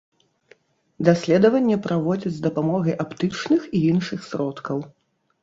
Даследаванне праводзяць з дапамогай аптычных і іншых сродкаў.